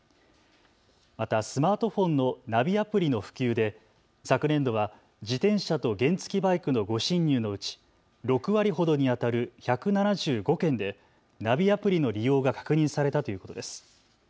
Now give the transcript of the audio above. またスマートフォンのナビアプリの普及で昨年度は自転車と原付きバイクの誤進入のうち６割ほどにあたる１７５件でナビアプリの利用が確認されたということです。